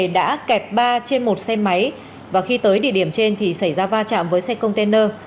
đã kẹp ba trên một xe máy và khi tới địa điểm trên thì xảy ra va chạm với xe container